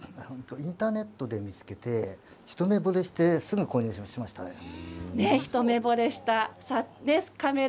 インターネットで見つけて一目ぼれしてすぐに購入しました。